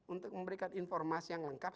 untuk memberikan informasi yang lengkap